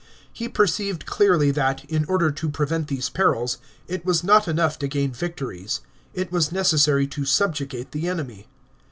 He perceived clearly that, in oider to prevent these perils, it was not enough to gain victories — it was necessary to subjugate the enemy.